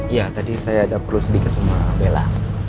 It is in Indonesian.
iya tadi saya ada perlu sedikit sama bella